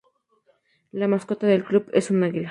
La mascota del club es un águila.